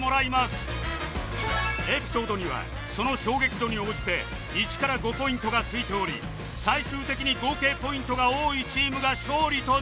エピソードにはその衝撃度に応じて１から５ポイントがついており最終的に合計ポイントが多いチームが勝利となります